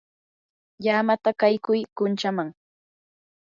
llamata qaykuy kunchaman.